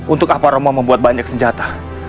untuk apa romo membuat banyak senjata